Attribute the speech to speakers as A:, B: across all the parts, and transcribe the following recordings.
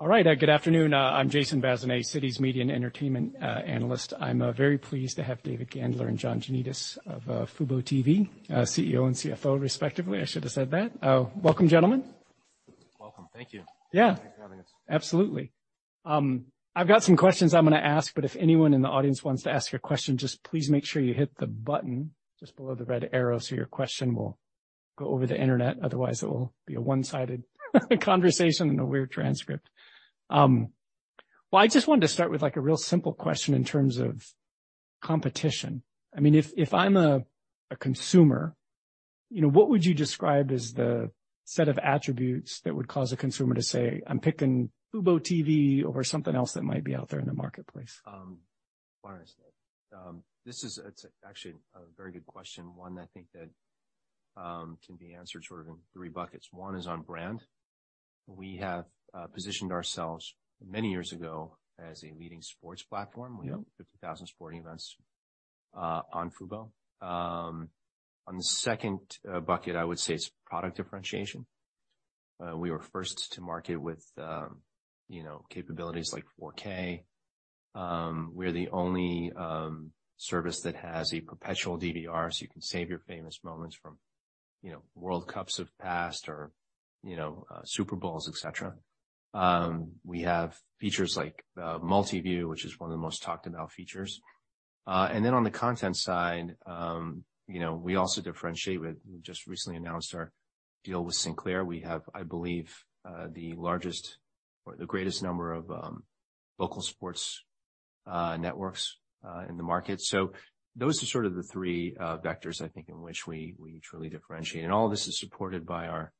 A: All right. Good afternoon. I'm Jason Bazinet, Citi's media and entertainment analyst. I'm very pleased to have David Gandler and John Janedis of FuboTV, CEO and CFO, respectively. I should have said that. Welcome, gentlemen.
B: Welcome. Thank you.
A: Yeah.
B: Thanks for having us.
A: Absolutely. I've got some questions I'm gonna ask. If anyone in the audience wants to ask a question, just please make sure you hit the button just below the red arrow so your question will go over the Internet. Otherwise, it will be a one-sided conversation and a weird transcript. I just wanted to start with, like, a real simple question in terms of competition. I mean, if I'm a consumer, you know, what would you describe as the set of attributes that would cause a consumer to say, "I'm picking FuboTV," over something else that might be out there in the marketplace?
B: Honestly, It's actually a very good question, one I think that can be answered sort of in three buckets. One is on brand. We have positioned ourselves many years ago as a leading sports platform.
A: Mm-hmm.
B: We have 50,000 sporting events on Fubo. On the second bucket, I would say it's product differentiation. We were first to market with, you know, capabilities like 4K. We're the only service that has a perpetual DVR, so you can save your famous moments from, you know, World Cup of past or, you know, Super Bowls, etc. We have features like MultiView, which is one of the most talked about features. On the content side, you know, we also differentiate with. We just recently announced our deal with Sinclair. We have, I believe, the largest or the greatest number of local sports networks in the market. Those are sort of the three vectors, I think, in which we truly differentiate. All of this is supported by our,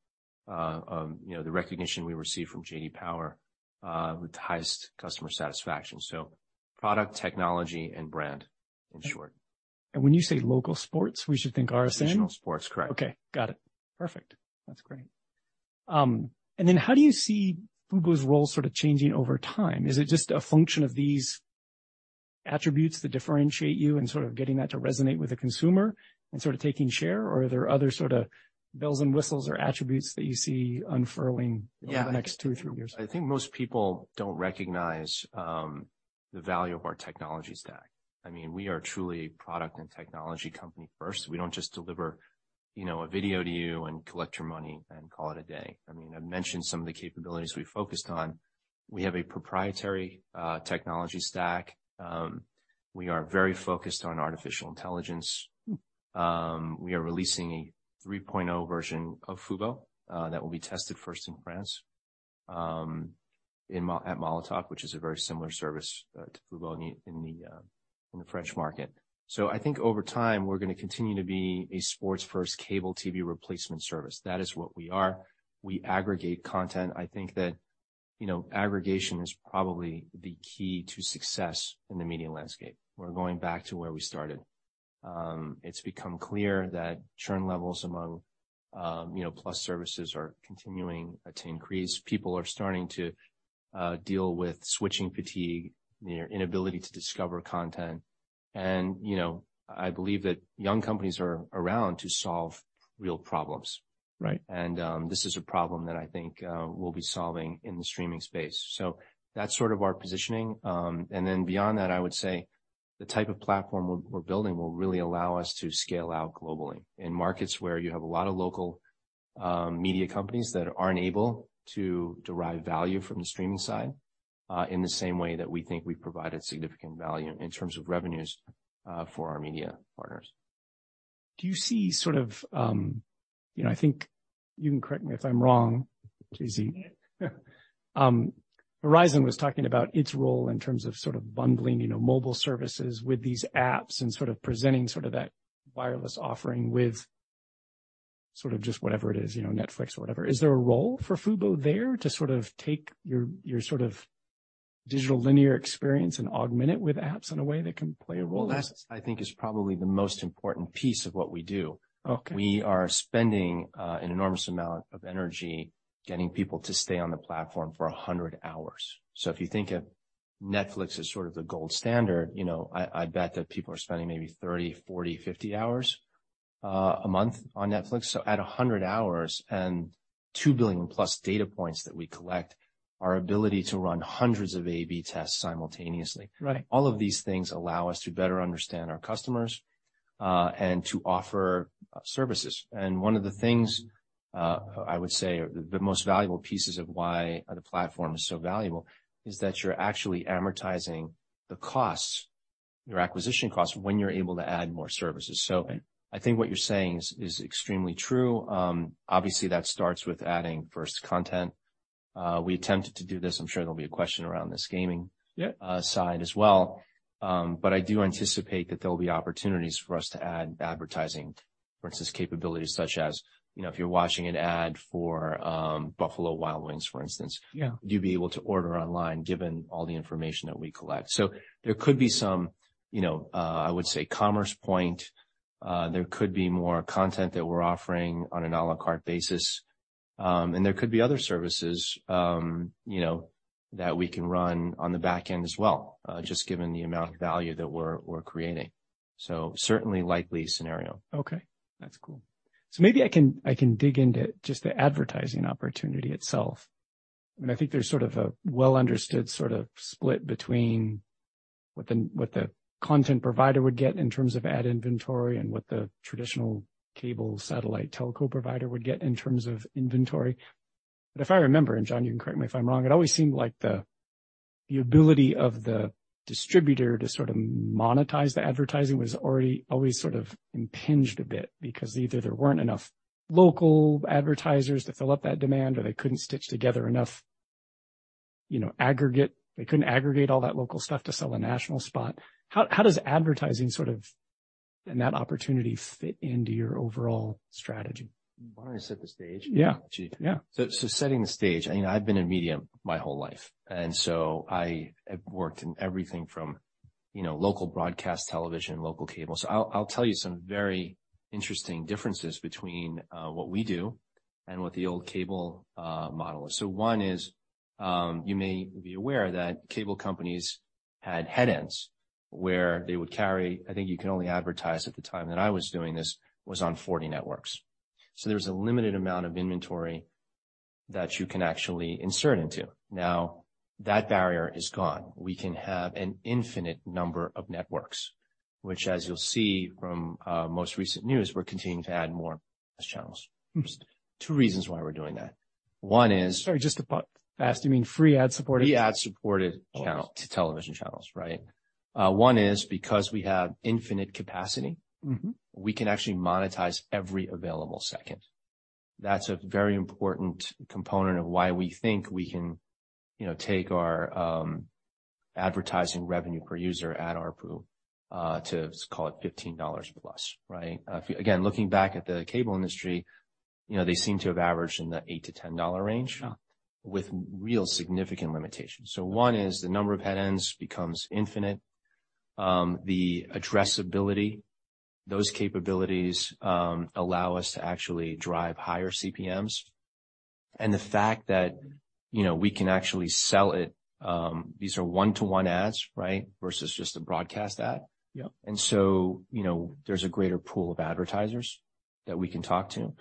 B: you know, the recognition we receive from J.D. Power with the highest customer satisfaction. Product, technology, and brand, in short.
A: When you say local sports, we should think RSN.
B: Regional sports, correct.
A: Okay. Got it. Perfect. That's great. Then how do you see Fubo's role sort of changing over time? Is it just a function of these attributes that differentiate you and sort of getting that to resonate with the consumer and sort of taking share? Are there other sort of bells and whistles or attributes that you see unfurling...
B: Yeah.
A: over the next two, three years?
B: I think most people don't recognize the value of our technology stack. I mean, we are truly a product and technology company first. We don't just deliver, you know, a video to you and collect your money and call it a day. I mean, I've mentioned some of the capabilities we focused on. We have a proprietary technology stack. We are very focused on artificial intelligence. We are releasing a 3.0 version of Fubo that will be tested first in France at Molotov, which is a very similar service to Fubo in the French market. I think over time, we're gonna continue to be a sports-first cable TV replacement service. That is what we are. We aggregate content. I think that, you know, aggregation is probably the key to success in the media landscape. We're going back to where we started. It's become clear that churn levels among, you know, plus services are continuing to increase. People are starting to deal with switching fatigue, you know, inability to discover content. You know, I believe that young companies are around to solve real problems.
A: Right.
B: This is a problem that I think we'll be solving in the streaming space. That's sort of our positioning. Then beyond that, I would say the type of platform we're building will really allow us to scale out globally in markets where you have a lot of local media companies that aren't able to derive value from the streaming side in the same way that we think we've provided significant value in terms of revenues for our media partners.
A: Do you see sort of, you know, I think you can correct me if I'm wrong, David. Verizon was talking about its role in terms of sort of bundling, you know, mobile services with these apps and sort of presenting sort of that wireless offering with sort of just whatever it is, you know, Netflix or whatever. Is there a role for Fubo there to sort of take your sort of digital linear experience and augment it with apps in a way that can play a role?
B: Well, that, I think, is probably the most important piece of what we do.
A: Okay.
B: We are spending an enormous amount of energy getting people to stay on the platform for 100 hours. If you think of Netflix as sort of the gold standard, you know, I bet that people are spending maybe 30, 40, 50 hours a month on Netflix. At 100 hours and 2 billion-plus data points that we collect, our ability to run hundreds of A/B tests simultaneously.
A: Right.
B: All of these things allow us to better understand our customers, and to offer services. One of the things, I would say the most valuable pieces of why the platform is so valuable is that you're actually amortizing the costs, your acquisition costs, when you're able to add more services.
A: Okay.
B: I think what you're saying is extremely true. Obviously, that starts with adding first content. We attempted to do this. I'm sure there'll be a question around this.
A: Yeah...
B: side as well. I do anticipate that there'll be opportunities for us to add advertising, for instance, capabilities such as, you know, if you're watching an ad for, Buffalo Wild Wings, for instance.
A: Yeah.
B: You'd be able to order online given all the information that we collect. There could be some, you know, I would say commerce point, there could be more content that we're offering on an à la carte basis. There could be other services, you know, that we can run on the back end as well, just given the amount of value that we're creating. Certainly likely scenario.
A: That's cool. Maybe I can dig into just the advertising opportunity itself. I mean, I think there's sort of a well-understood sort of split between what the content provider would get in terms of ad inventory and what the traditional cable satellite telco provider would get in terms of inventory. If I remember, and John, you can correct me if I'm wrong, it always seemed like the ability of the distributor to sort of monetize the advertising was already always sort of impinged a bit because either there weren't enough local advertisers to fill up that demand or they couldn't stitch together enough, you know, they couldn't aggregate all that local stuff to sell a national spot. How does advertising sort of, and that opportunity fit into your overall strategy?
B: Why don't you set the stage?
A: Yeah. Yeah.
B: Setting the stage. I mean, I've been in media my whole life, and so I have worked in everything from, you know, local broadcast television, local cable. I'll tell you some very interesting differences between what we do and what the old cable model is. One is, you may be aware that cable companies had headends where they would carry. I think you can only advertise at the time that I was doing this was on 40 networks. There was a limited amount of inventory that you can actually insert into. Now that barrier is gone. We can have an infinite number of networks, which as you'll see from most recent news, we're continuing to add more channels.
A: Mm-hmm.
B: Two reasons why we're doing that. One is.
A: Sorry, just to ask, do you mean free ad-supported?
B: Free ad-supported count to television channels, right? One is because we have infinite capacity.
A: Mm-hmm.
B: We can actually monetize every available second. That's a very important component of why we think we can, you know, take our advertising revenue per user ad ARPU to let's call it $15 plus, right? Again, looking back at the cable industry, you know, they seem to have averaged in the $8-$10 range.
A: Yeah.
B: With real significant limitations. One is the number of headends becomes infinite. The addressability, those capabilities, allow us to actually drive higher CPMs. The fact that, you know, we can actually sell it, these are one-to-one ads, right? Versus just a broadcast ad.
A: Yep.
B: You know, there's a greater pool of advertisers that we can talk to.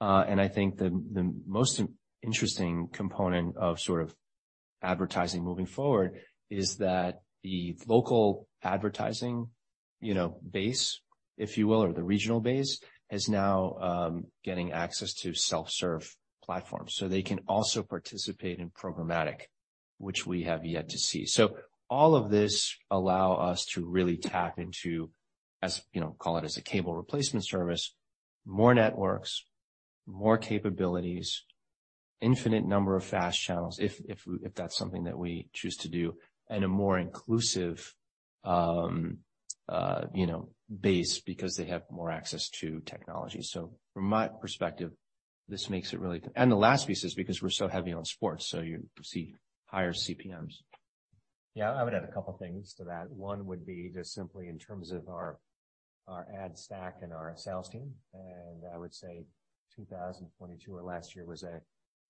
B: I think the most interesting component of sort of advertising moving forward is that the local advertising, you know, base, if you will, or the regional base, is now getting access to self-serve platforms, so they can also participate in programmatic, which we have yet to see. All of this allow us to really tap into as, you know, call it as a cable replacement service, more networks, more capabilities, infinite number of fast channels if we, if that's something that we choose to do, and a more inclusive, you know, base because they have more access to technology. From my perspective, this makes it really, and the last piece is because we're so heavy on sports, so you see higher CPMs.
C: Yeah. I would add a couple things to that. One would be just simply in terms of our ad stack and our sales team, and I would say 2022 or last year was a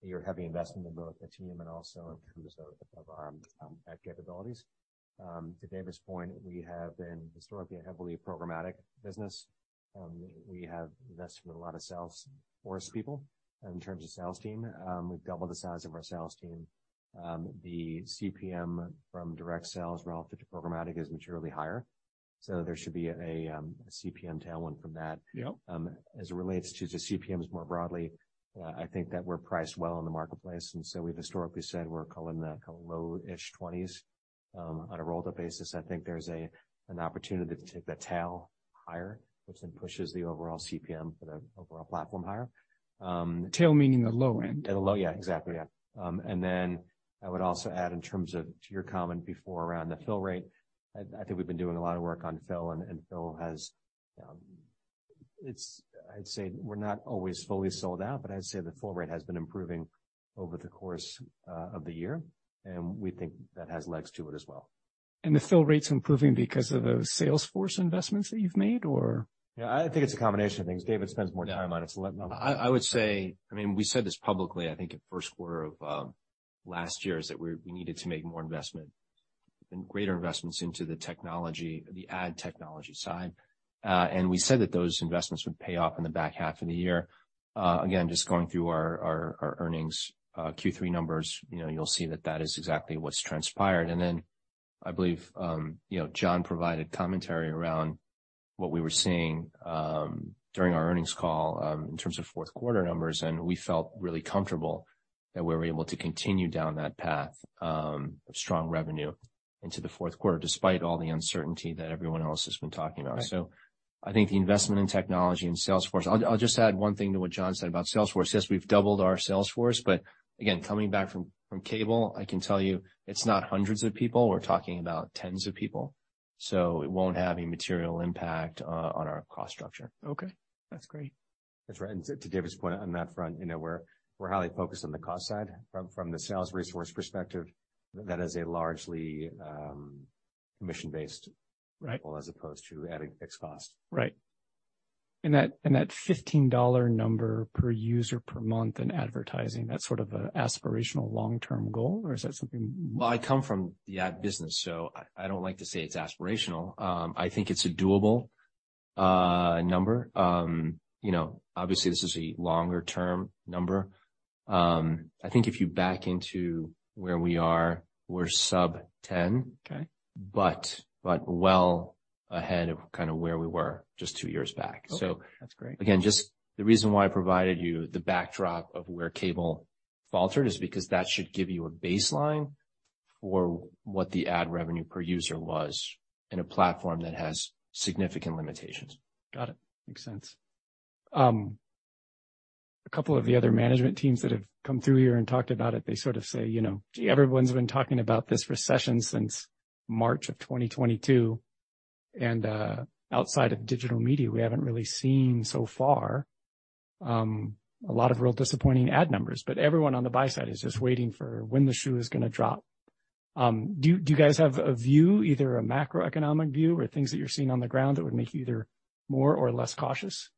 C: year of heavy investment in both the team and also in terms of our ad capabilities. To David's point, we have been historically a heavily programmatic business. We have invested in a lot of sales force people in terms of sales team. We've doubled the size of our sales team. The CPM from direct sales relative to programmatic is materially higher, so there should be a CPM tailwind from that.
A: Yep.
C: As it relates to the CPMs more broadly, I think that we're priced well in the marketplace. We've historically said we're calling the low-ish twenties. On a rolled up basis, I think there's an opportunity to take the tail higher, which then pushes the overall CPM for the overall platform higher.
A: Tail meaning the low end.
C: The low, yeah, exactly. Yeah. I would also add in terms of to your comment before around the fill rate. I think we've been doing a lot of work on fill and fill has, I'd say we're not always fully sold out, but I'd say the fill rate has been improving over the course of the year, and we think that has legs to it as well.
A: The fill rate's improving because of those sales force investments that you've made or?
C: Yeah, I think it's a combination of things. David spends more time on it, so let him.
B: I would say, I mean we said this publicly, I think at first quarter of last year, is that we needed to make more investment and greater investments into the technology, the ad technology side. We said that those investments would pay off in the back half of the year. Again, just going through our earnings Q3 numbers, you know, you'll see that that is exactly what's transpired. I believe, you know, John provided commentary around what we were seeing during our earnings call in terms of fourth quarter numbers, and we felt really comfortable that we were able to continue down that path of strong revenue into the fourth quarter, despite all the uncertainty that everyone else has been talking about.
A: Right.
B: I think the investment in technology and sales force. I'll just add one thing to what John said about sales force. Yes, we've doubled our sales force, but again, coming back from cable, I can tell you it's not hundreds of people. We're talking about tens of people. It won't have a material impact on our cost structure.
A: Okay, that's great.
C: That's right. To David's point on that front, you know, we're highly focused on the cost side from the sales resource perspective. That is a largely, commission-based-
A: Right.
C: model as opposed to adding fixed cost.
A: Right. That $15 number per user per month in advertising, that's sort of an aspirational long-term goal or is that something?
B: I come from the ad business, I don't like to say it's aspirational. I think it's a doable number. you know, obviously this is a longer-term number. I think if you back into where we are, we're sub 10.
A: Okay.
B: Well ahead of kinda where we were just two years back.
A: Okay. That's great.
B: Again, just the reason why I provided you the backdrop of where cable faltered is because that should give you a baseline for what the ad revenue per user was in a platform that has significant limitations.
A: Got it. Makes sense. A couple of the other management teams that have come through here and talked about it, they sort of say, you know, "Gee, everyone's been talking about this recession since March of 2022, outside of digital media, we haven't really seen so far a lot of real disappointing ad numbers." Everyone on the buy side is just waiting for when the shoe is gonna drop. Do you guys have a view, either a macroeconomic view or things that you're seeing on the ground that would make you either more or less cautious?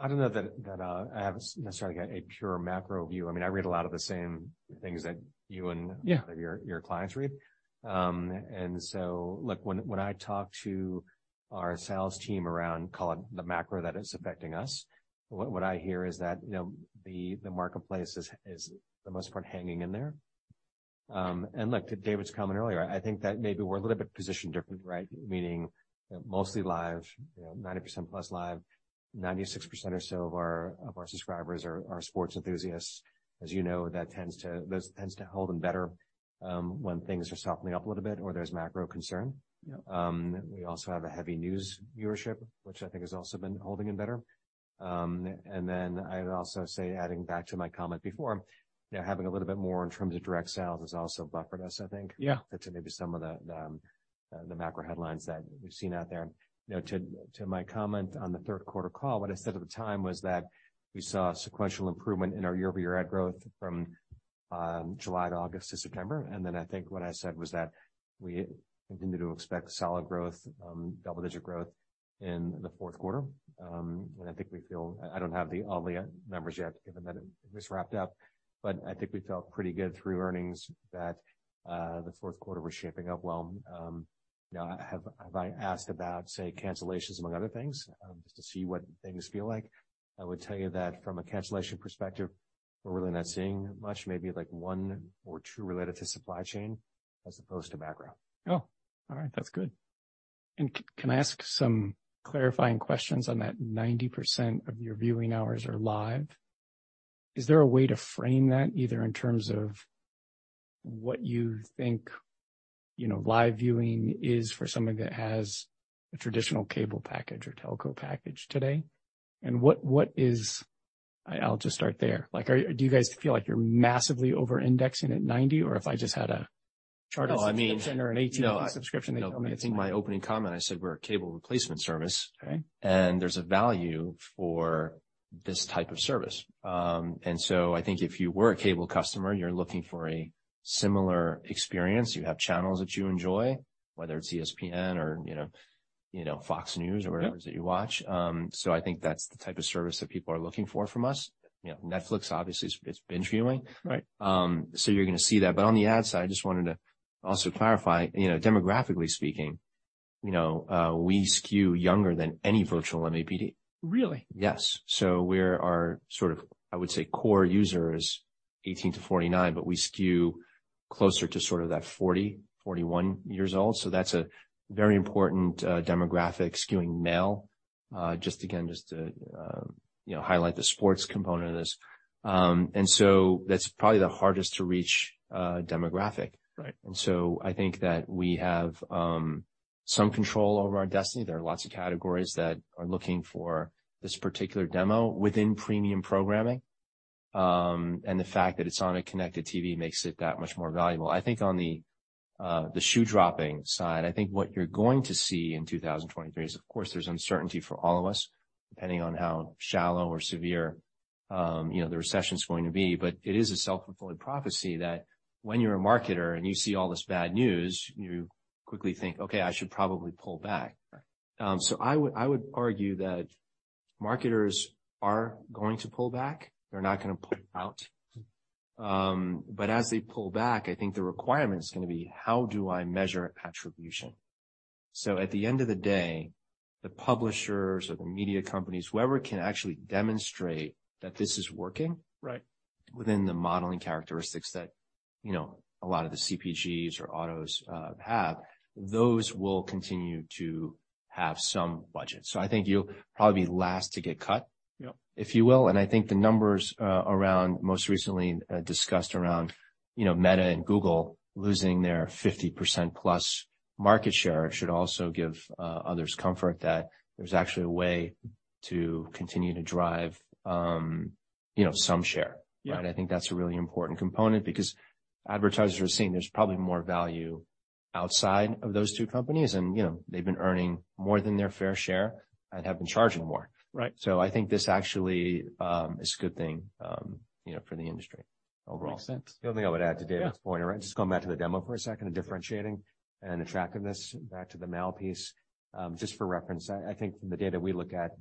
C: I don't know that, I have necessarily a pure macro view. I mean, I read a lot of the same things that you-
A: Yeah...
C: and your clients read. Look, when I talk to our sales team around, call it, the macro that is affecting us, what I hear is that, you know, the marketplace is for the most part hanging in there. Look, to David's comment earlier, I think that maybe we're a little bit positioned differently, right? Meaning, you know, mostly live, you know, 90% plus live. 96% or so of our subscribers are sports enthusiasts. As you know, that tends to hold them better when things are softening up a little bit or there's macro concern.
A: Yeah.
C: We also have a heavy news viewership, which I think has also been holding in better. I'd also say, adding back to my comment before, you know, having a little bit more in terms of direct sales has also buffered us, I think-
A: Yeah...
C: to maybe some of the macro headlines that we've seen out there. You know, to my comment on the third quarter call, what I said at the time was that we saw sequential improvement in our year-over-year ad growth from July to August to September. I think what I said was that we continue to expect solid growth, double-digit growth in the fourth quarter. I think I don't have the all the numbers yet, given that it just wrapped up, but I think we felt pretty good through earnings that the fourth quarter was shaping up well. You know, have I asked about, say, cancellations among other things, just to see what things feel like? I would tell you that from a cancellation perspective, we're really not seeing much, maybe like one or two related to supply chain as opposed to background.
A: Oh, all right. That's good. Can I ask some clarifying questions on that 90% of your viewing hours are live? Is there a way to frame that either in terms of what you think, you know, live viewing is for someone that has a traditional cable package or telco package today? What is... I'll just start there. Like, do you guys feel like you're massively over-indexing at 90%? Or if I just had a Charter subscription-
C: Well, I mean...
A: or an AT&T subscription, they tell me it's nine.
C: No, I think my opening comment, I said we're a cable replacement service.
A: Okay.
C: There's a value for this type of service. I think if you were a cable customer and you're looking for a similar experience, you have channels that you enjoy, whether it's ESPN or, you know, Fox News…
A: Yeah...
C: or whatever it is that you watch. I think that's the type of service that people are looking for from us. You know, Netflix obviously it's binge viewing.
A: Right.
C: You're gonna see that. On the ad side, I just wanted to also clarify, you know, demographically speaking, you know, we skew younger than any virtual MVPD.
A: Really?
C: Yes. We are sort of, I would say, core user is 18 to 49, but we skew closer to sort of that 40, 41 years old. That's a very important demographic skewing male. Just again, just to, you know, highlight the sports component of this. That's probably the hardest to reach demographic.
A: Right.
C: I think that we have some control over our destiny. There are lots of categories that are looking for this particular demo within premium programming. The fact that it's on a connected TV makes it that much more valuable. I think on the shoe dropping side, I think what you're going to see in 2023 is, of course, there's uncertainty for all of us, depending on how shallow or severe, you know, the recession's going to be. It is a self-fulfilling prophecy that when you're a marketer and you see all this bad news, you quickly think, "Okay, I should probably pull back." I would argue that marketers are going to pull back. They're not gonna pull out. As they pull back, I think the requirement is gonna be, how do I measure attribution? At the end of the day, the publishers or the media companies, whoever can actually demonstrate that this is working-
A: Right...
C: within the modeling characteristics that, you know, a lot of the CPGs or autos have, those will continue to have some budget. I think you'll probably be last to get cut-
A: Yep...
C: if you will, and I think the numbers, around most recently, discussed around, you know, Meta and Google losing their 50%+ market share should also give, others comfort that there's actually a way to continue to drive, you know, some share.
A: Yeah.
C: Right? I think that's a really important component because advertisers are seeing there's probably more value outside of those two companies and, you know, they've been earning more than their fair share and have been charging more.
A: Right.
C: I think this actually is a good thing, you know, for the industry.
A: Makes sense.
C: The only thing I would add to David's point, just going back to the demo for a second, and differentiating and attractiveness back to the mail piece. Just for reference, I think from the data we look at,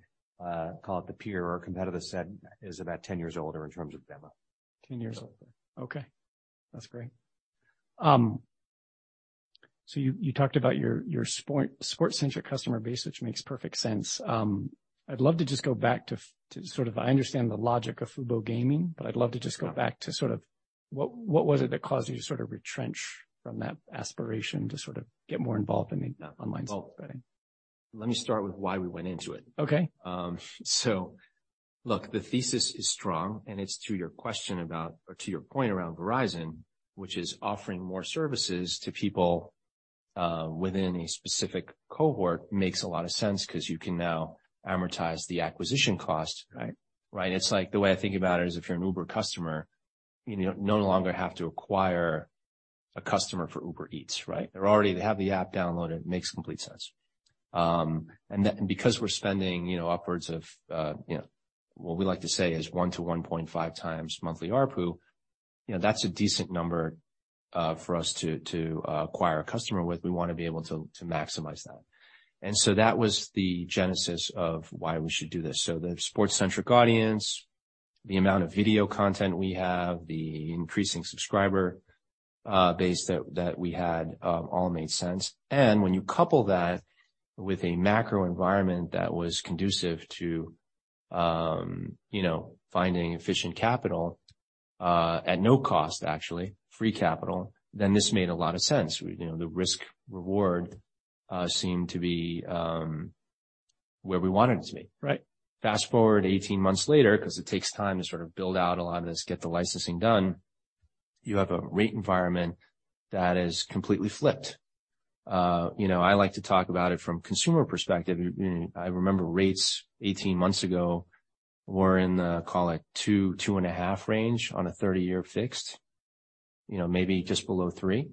C: call it the peer or competitive set is about 10 years older in terms of demo.
A: Ten years older. Okay, that's great. You talked about your sport-centric customer base, which makes perfect sense. I'd love to just go back to sort of I understand the logic of Fubo Gaming, but I'd love to just go back to sort of what was it that caused you to sort of retrench from that aspiration to sort of get more involved in the online sports betting?
B: Let me start with why we went into it.
A: Okay.
B: Look, the thesis is strong, and it's to your question about or to your point around Verizon, which is offering more services to people within a specific cohort makes a lot of sense because you can now amortize the acquisition cost.
A: Right.
B: Right. It's like the way I think about it is if you're an Uber customer, you no longer have to acquire a customer for Uber Eats, right? They have the app downloaded, makes complete sense. Because we're spending, you know, upwards of, you know, what we like to say is one to 1.5 times monthly ARPU, you know, that's a decent number for us to acquire a customer with. We want to be able to maximize that. That was the genesis of why we should do this. The sports-centric audience, the amount of video content we have, the increasing subscriber base that we had, all made sense. When you couple that with a macro environment that was conducive to, you know, finding efficient capital, at no cost, actually, free capital, then this made a lot of sense. You know, the risk reward seemed to be where we want it to be.
A: Right.
B: Fast-forward 18 months later, 'cause it takes time to sort of build out a lot of this, get the licensing done, you have a rate environment that is completely flipped. You know, I like to talk about it from consumer perspective. I remember rates 18 months ago were in the, call it two, two and a half range on a 30-year fixed, you know, maybe just below three.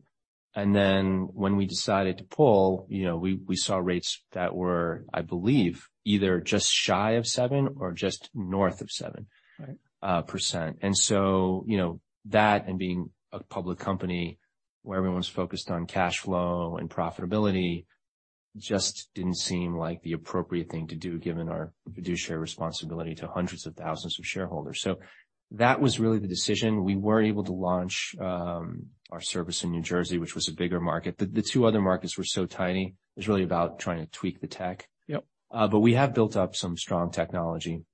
B: When we decided to pull, you know, we saw rates that were, I believe, either just shy of seven or just north of seven-
A: Right....
B: Percent. You know, that and being a public company where everyone's focused on cash flow and profitability just didn't seem like the appropriate thing to do, given our fiduciary responsibility to hundreds of thousands of shareholders. That was really the decision. We were able to launch our service in New Jersey, which was a bigger market. The two other markets were so tiny, it's really about trying to tweak the tech.
A: Yep.
B: We have built up some strong technology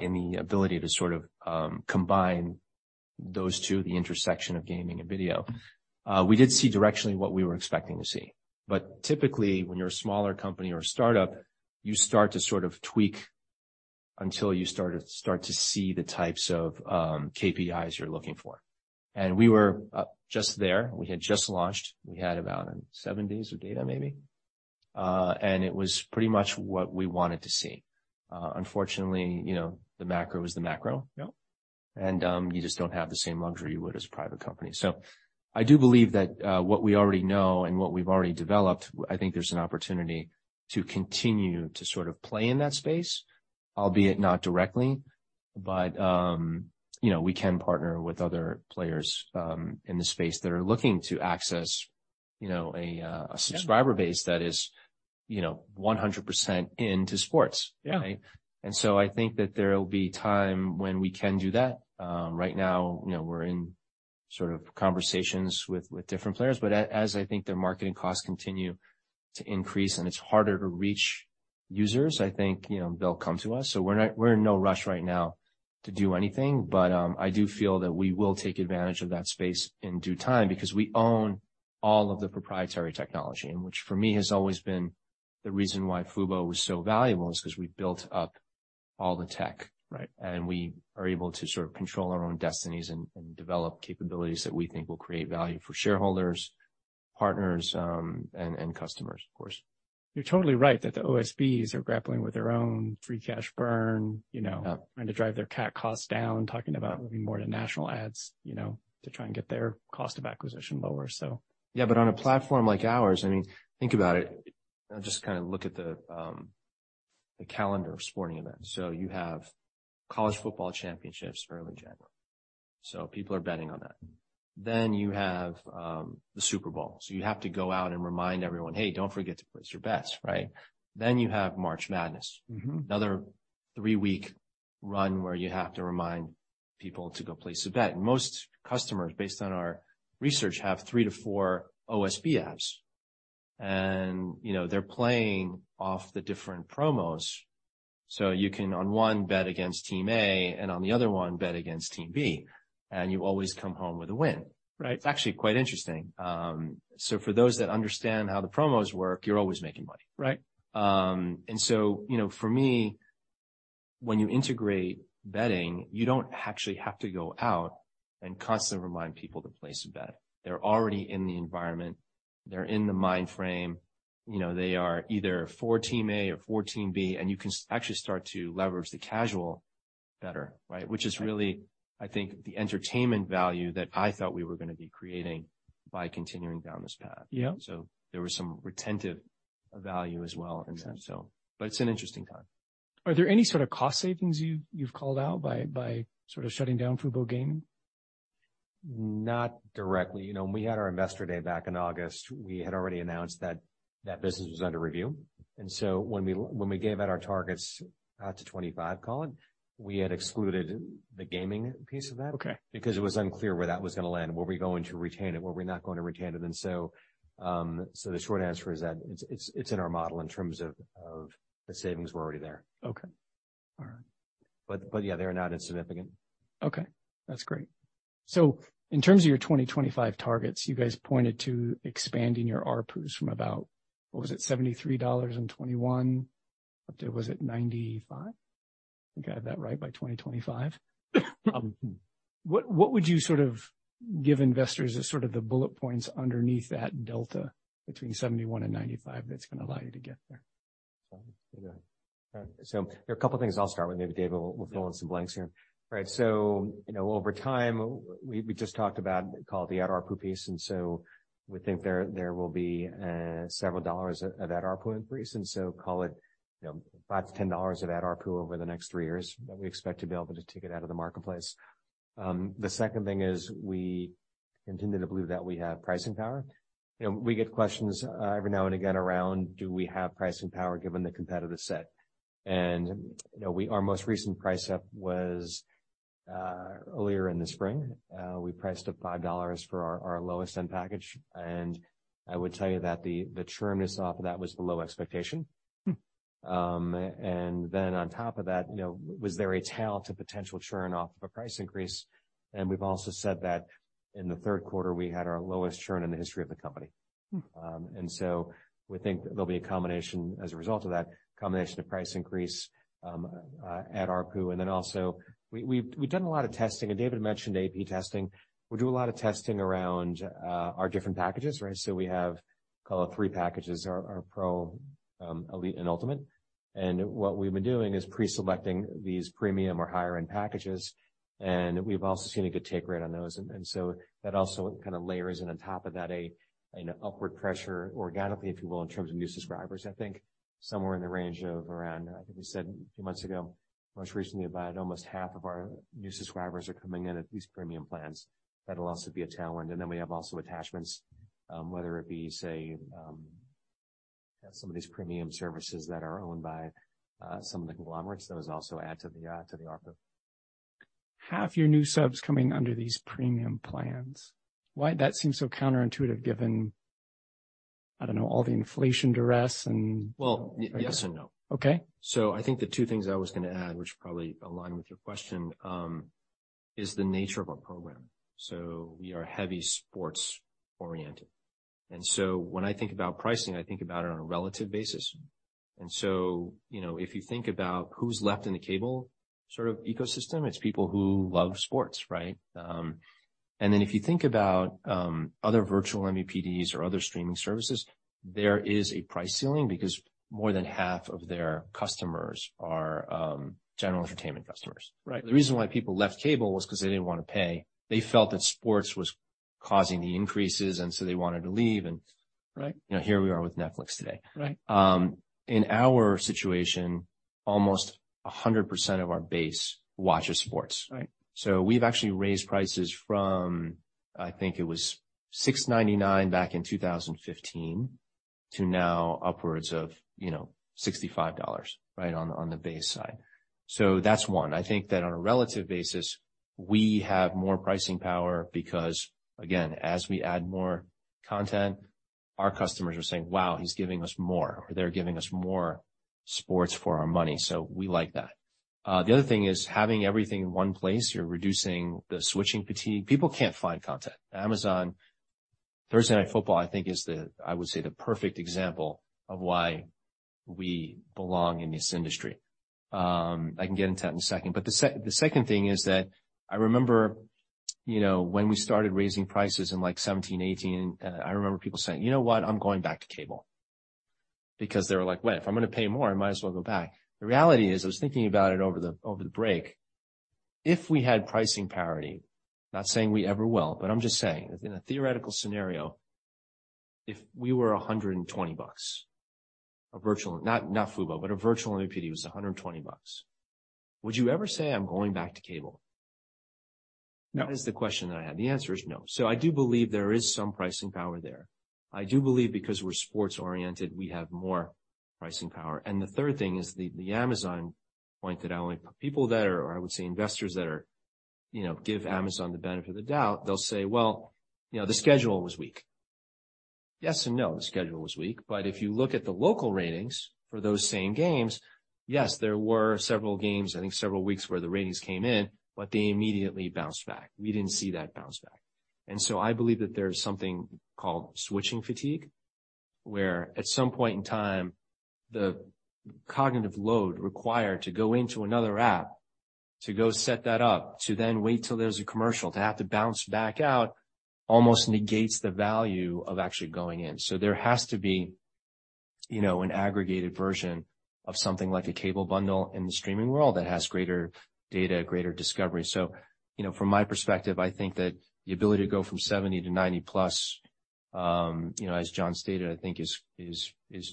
B: in the ability to sort of combine those two, the intersection of gaming and video. We did see directionally what we were expecting to see. Typically, when you're a smaller company or a startup, you start to sort of tweak until you start to see the types of KPIs you're looking for. We were just there. We had just launched. We had about seven days of data maybe. It was pretty much what we wanted to see. Unfortunately, you know, the macro is the macro.
A: Yep.
B: You just don't have the same luxury you would as a private company. I do believe that what we already know and what we've already developed, I think there's an opportunity to continue to sort of play in that space, albeit not directly. You know, we can partner with other players in the space that are looking to access, you know, a subscriber base that is, you know, 100% into sports.
A: Yeah.
B: Right? I think that there will be time when we can do that. Right now, you know, we're in sort of conversations with different players, but as I think their marketing costs continue to increase and it's harder to reach users, I think, you know, they'll come to us. We're in no rush right now to do anything, but I do feel that we will take advantage of that space in due time because we own all of the proprietary technology, and which for me has always been the reason why Fubo was so valuable is 'cause we built up all the tech.
A: Right.
B: We are able to sort of control our own destinies and develop capabilities that we think will create value for shareholders, partners, and customers, of course.
A: You're totally right that the OSBs are grappling with their own free cash burn, you know.
B: Yeah.
A: trying to drive their CAC costs down, talking about moving more to national ads, you know, to try and get their cost of acquisition lower so.
B: Yeah, but on a platform like ours, I mean, think about it. Just kinda look at the calendar of sporting events. You have college football championships early January, so people are betting on that. You have the Super Bowl. You have to go out and remind everyone, "Hey, don't forget to place your bets." Right? You have March Madness.
A: Mm-hmm.
B: Another three-week run where you have to remind people to go place a bet. Most customers, based on our research, have three to four OSB apps, and, you know, they're playing off the different promos. You can on one bet against team A and on the other one bet against team B, and you always come home with a win.
A: Right.
B: It's actually quite interesting. For those that understand how the promos work, you're always making money.
A: Right.
B: You know, for me, when you integrate betting, you don't actually have to go out and constantly remind people to place a bet. They're already in the environment. They're in the mind frame. You know, they are either for team A or for team B, and you can actually start to leverage the casual bettor, right? Which is really, I think, the entertainment value that I thought we were gonna be creating by continuing down this path.
A: Yeah.
B: There was some retentive value as well in that.
A: Makes sense.
B: But it's an interesting time.
A: Are there any sort of cost savings you've called out by sort of shutting down Fubo Gaming?
B: Not directly. You know, when we had our investor day back in August, we had already announced that that business was under review. When we gave out our targets out to 2025, call it, we had excluded the gaming piece of that.
A: Okay.
B: -because it was unclear where that was going to land. Were we going to retain it? Were we not going to retain it? The short answer is that it's in our model in terms of the savings were already there.
A: Okay. All right.
B: Yeah, they are not insignificant.
A: That's great. In terms of your 2025 targets, you guys pointed to expanding your ARPU from about, what was it, $73 in 2021? Was it $95? I think I have that right, by 2025.
B: Mm-hmm.
A: What would you sort of give investors as sort of the bullet points underneath that delta between 71 and 95 that's gonna allow you to get there?
C: There are a couple things I'll start with. Maybe David will fill in some blanks here. Right. You know, over time, we just talked about call the Ad ARPU piece, we think there will be several dollars of Ad ARPU increase. Call it, you know, $5-$10 of Ad ARPU over the next three years that we expect to be able to take it out of the marketplace. The second thing is we continue to believe that we have pricing power. You know, we get questions every now and again around do we have pricing power given the competitive set. You know, our most recent price up was earlier in the spring. We priced up $5 for our lowest end package, and I would tell you that the churn that's off of that was below expectation.
A: Hmm.
C: On top of that, you know, was there a tail to potential churn off of a price increase? We've also said that in the third quarter, we had our lowest churn in the history of the company.
A: Hmm.
C: We think there'll be a combination as a result of that combination of price increase, Ad ARPU. Also we've done a lot of testing, and David mentioned A/B testing. We do a lot of testing around our different packages, right? We have call it three packages, our Pro, Elite and Ultimate. What we've been doing is pre-selecting these premium or higher end packages, and we've also seen a good take rate on those. That also kind of layers in on top of that, an upward pressure organically, if you will, in terms of new subscribers. I think somewhere in the range of around, I think we said a few months ago, most recently, about almost half of our new subscribers are coming in at these premium plans. That'll also be a tailwind. We have also attachments, whether it be, say, some of these premium services that are owned by some of the conglomerates. Those also add to the ARPU.
A: Half your new subs coming under these premium plans. Why? That seems so counterintuitive given, I don't know, all the inflation duress and.
B: Well, yes and no.
A: Okay.
B: I think the two things I was gonna add, which probably align with your question, is the nature of our program. We are heavy sports-oriented. When I think about pricing, I think about it on a relative basis. You know, if you think about who's left in the cable sort of ecosystem, it's people who love sports, right? If you think about other virtual MVPDs or other streaming services, there is a price ceiling because more than half of their customers are general entertainment customers.
A: Right.
B: The reason why people left cable was 'cause they didn't wanna pay. They felt that sports was causing the increases, and so they wanted to leave.
A: Right.
B: You know, here we are with Netflix today.
A: Right.
B: In our situation, almost 100% of our base watches sports.
A: Right.
B: We've actually raised prices from, I think it was $6.99 back in 2015 to now upwards of, you know, $65, right, on the, on the base side. That's one. I think that on a relative basis we have more pricing power because, again, as we add more content, our customers are saying, "Wow, he's giving us more," or, "They're giving us more sports for our money." We like that. The other thing is having everything in one place, you're reducing the switching fatigue. People can't find content. Amazon Thursday Night Football, I think is the, I would say, the perfect example of why we belong in this industry. I can get into that in a second. The second thing is that I remember, you know, when we started raising prices in like 2017, 2018, I remember people saying, "You know what? I'm going back to cable." Because they were like, "What? If I'm going to pay more, I might as well go back." The reality is, I was thinking about it over the, over the break. If we had pricing parity, not saying we ever will, but I'm just saying in a theoretical scenario, if we were $120, not Fubo, but a virtual MVPD was $120, would you ever say, "I'm going back to cable?
A: No.
B: That is the question that I had. The answer is no. I do believe there is some pricing power there. I do believe because we're sports-oriented, we have more pricing power. The third thing is the Amazon point that I want to people that are or I would say investors that are, you know, give Amazon the benefit of the doubt, they'll say, "Well, you know, the schedule was weak." Yes and no, the schedule was weak. If you look at the local ratings for those same games, yes, there were several games, I think several weeks, where the ratings came in, but they immediately bounced back. We didn't see that bounce back. I believe that there's something called switching fatigue, where at some point in time, the cognitive load required to go into another app, to go set that up, to then wait till there's a commercial, to have to bounce back out, almost negates the value of actually going in. There has to be, you know, an aggregated version of something like a cable bundle in the streaming world that has greater data, greater discovery. You know, from my perspective, I think that the ability to go from 70 to 90 plus, you know, as John stated, I think is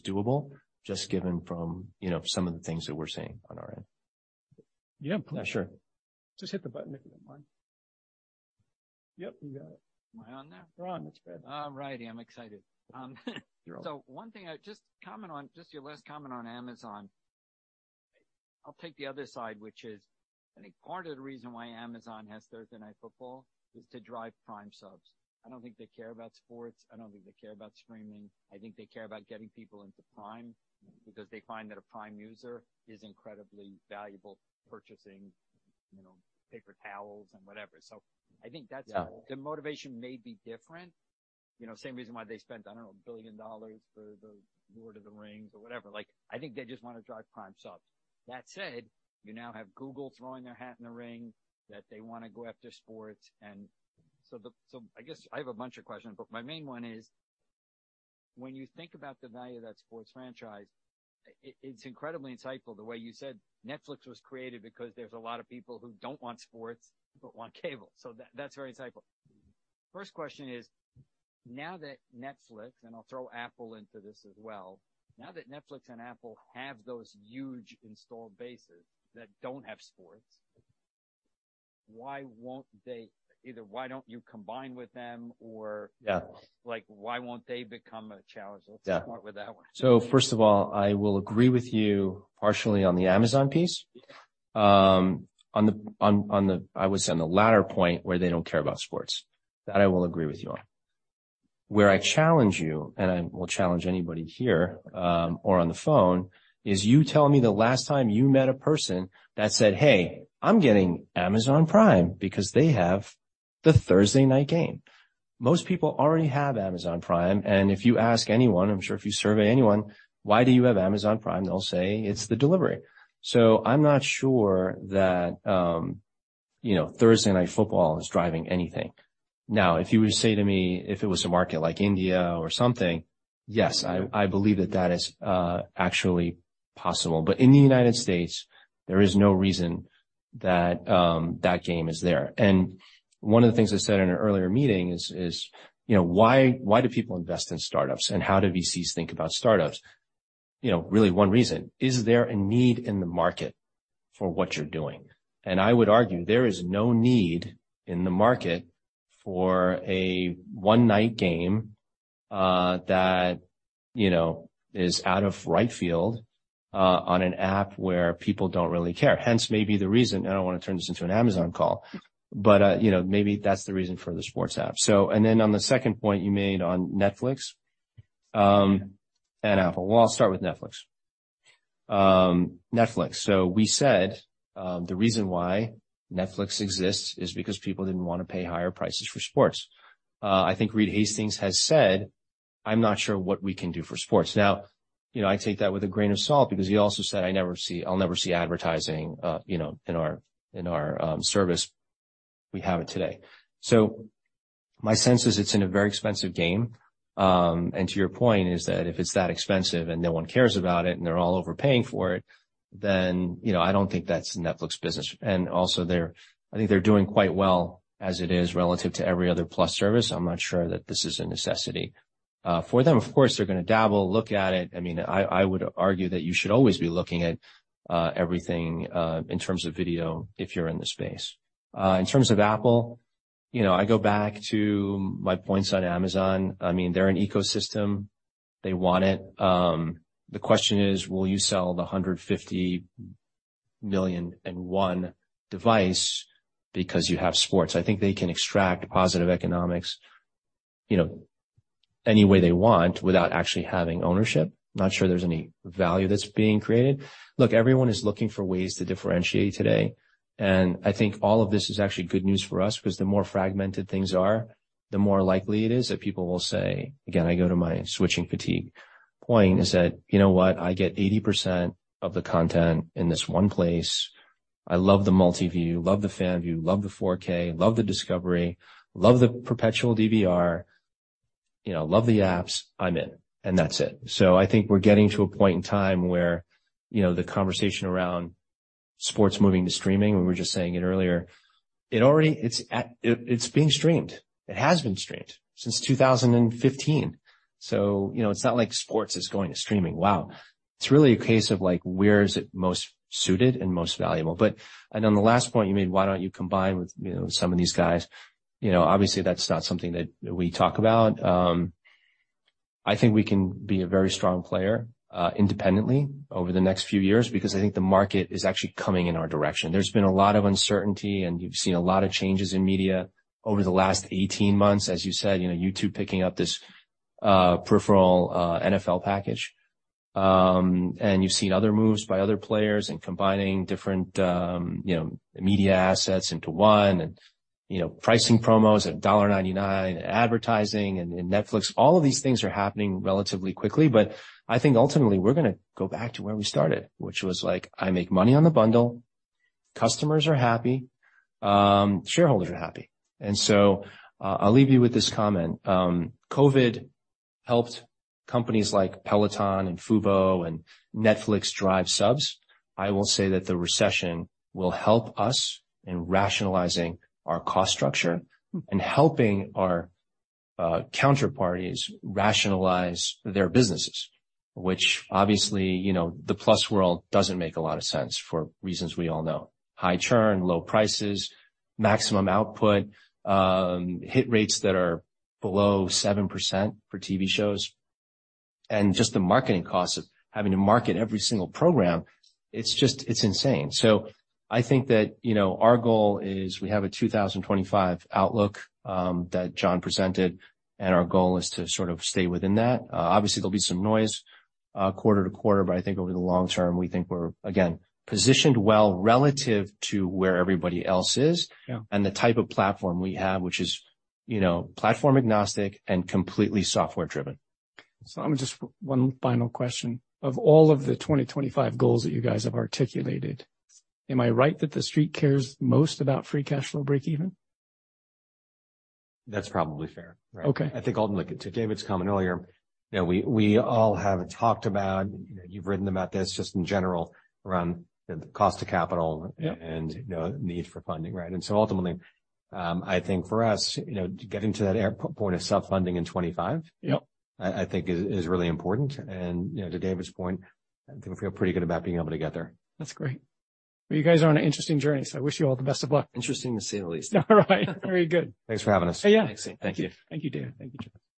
B: doable just given from, you know, some of the things that we're seeing on our end.
A: Yeah.
B: Yeah, sure.
A: Just hit the button if you don't mind. Yep, you got it.
D: Am I on now?
A: You're on. That's good.
D: All righty. I'm excited. One thing just to comment on, just your last comment on Amazon. I'll take the other side, which is, I think part of the reason why Amazon has Thursday Night Football is to drive Prime subs. I don't think they care about sports. I don't think they care about streaming. I think they care about getting people into Prime because they find that a Prime user is incredibly valuable purchasing, you know, paper towels and whatever. I think that's
B: Yeah.
D: The motivation may be different. You know, same reason why they spent, I don't know, $1 billion for The Lord of the Rings or whatever. Like, I think they just wanna drive Prime subs. That said, you now have Google throwing their hat in the ring that they wanna go after sports. I guess I have a bunch of questions, but my main one is, when you think about the value of that sports franchise, it's incredibly insightful the way you said Netflix was created because there's a lot of people who don't want sports but want cable. That's very insightful. First question is, now that Netflix, and I'll throw Apple into this as well, now that Netflix and Apple have those huge installed bases that don't have sports, why won't they either why don't you combine with them or-
B: Yeah.
A: Like, why won't they become a challenge?
B: Yeah.
D: Let's start with that one.
B: First of all, I will agree with you partially on the Amazon piece. I would say on the latter point where they don't care about sports. That I will agree with you on. Where I challenge you, and I will challenge anybody here, or on the phone, is you tell me the last time you met a person that said, "Hey, I'm getting Amazon Prime because they have the Thursday night game." Most people already have Amazon Prime, and if you ask anyone, I'm sure if you survey anyone, why do you have Amazon Prime? They'll say it's the delivery. I'm not sure that, you know, Thursday Night Football is driving anything. If you were to say to me if it was a market like India or something, yes, I believe that that is actually possible. In the United States, there is no reason that that game is there. One of the things I said in an earlier meeting is, you know, why do people invest in startups and how do VCs think about startups? You know, really one reason, is there a need in the market for what you're doing? I would argue there is no need in the market for a one-night game, that, you know, is out of right field, on an app where people don't really care. Hence maybe the reason, I don't wanna turn this into an Amazon call, but, you know, maybe that's the reason for the sports app. Then on the second point you made on Netflix, and Apple. Well, I'll start with Netflix. Netflix. We said, the reason why Netflix exists is because people didn't wanna pay higher prices for sports. I think Reed Hastings has said, "I'm not sure what we can do for sports." Now, you know, I take that with a grain of salt because he also said, "I'll never see advertising, you know, in our, in our service." We have it today. My sense is it's in a very expensive game. To your point is that if it's that expensive and no one cares about it, and they're all overpaying for it, then, you know, I don't think that's Netflix business. Also I think they're doing quite well as it is relative to every other Plus service. I'm not sure that this is a necessity for them. Of course, they're gonna dabble, look at it. I mean, I would argue that you should always be looking at everything in terms of video if you're in the space. In terms of Apple, you know, I go back to my points on Amazon. I mean, they're an ecosystem. They want it. The question is, will you sell the 150 million and 1 device because you have sports? I think they can extract positive economics, you know, any way they want without actually having ownership. Not sure there's any value that's being created. Look, everyone is looking for ways to differentiate today, and I think all of this is actually good news for us because the more fragmented things are, the more likely it is that people will say, again, I go to my switching fatigue point, is that, "You know what? I get 80% of the content in this one place. I love the MultiView, love the FanView, love the 4K, love the discovery, love the perpetual DVR, you know, love the apps. I'm in," and that's it. I think we're getting to a point in time where, you know, the conversation around sports moving to streaming, we were just saying it earlier. It's being streamed. It has been streamed since 2015. You know, it's not like sports is going to streaming. Wow. It's really a case of like, where is it most suited and most valuable? On the last point you made, why don't you combine with, you know, some of these guys? You know, obviously that's not something that we talk about. I think we can be a very strong player, independently over the next few years because I think the market is actually coming in our direction. There's been a lot of uncertainty, and you've seen a lot of changes in media over the last 18 months. As you said, you know, YouTube picking up this, peripheral, NFL package. You've seen other moves by other players and combining different, you know, media assets into one and, you know, pricing promos at $1.99, advertising and Netflix. All of these things are happening relatively quickly. I think ultimately we're gonna go back to where we started, which was like, I make money on the bundle, customers are happy, shareholders are happy. I'll leave you with this comment. COVID helped companies like Peloton and Fubo and Netflix drive subs. I will say that the recession will help us in rationalizing our cost structure and helping our counterparties rationalize their businesses, which obviously, you know, the Plus world doesn't make a lot of sense for reasons we all know. High churn, low prices, maximum output, hit rates that are below 7% for TV shows, and just the marketing costs of having to market every single program, it's just, it's insane. I think that, you know, our goal is we have a 2025 outlook, that John presented, and our goal is to sort of stay within that. Obviously, there'll be some noise, quarter to quarter, but I think over the long term, we think we're, again, positioned well relative to where everybody else is.
A: Yeah.
B: The type of platform we have, which is, you know, platform agnostic and completely software driven.
A: One final question. Of all of the 2025 goals that you guys have articulated, am I right that the street cares most about free cash flow breakeven?
C: That's probably fair.
A: Okay.
C: I think ultimately, to David's comment earlier, you know, we all have talked about, you know, you've written about this just in general around the cost of capital...
A: Yeah.
C: You know, need for funding, right? ultimately, I think for us, you know, getting to that point of self-funding in 2025.
A: Yep.
C: I think is really important. You know, to David's point, I think we feel pretty good about being able to get there.
A: That's great. Well, you guys are on an interesting journey, so I wish you all the best of luck.
B: Interesting to say the least.
A: All right. Very good.
B: Thanks for having us.
A: Yeah.
D: Thanks. Thank you.
A: Thank you, David. Thank you, John.